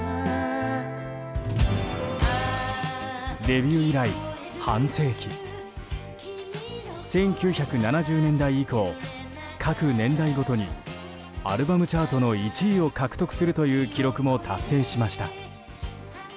デビュー以来半世紀１９７０年代以降各年代ごとにアルバムチャートの１位を獲得するという記録も達成しました。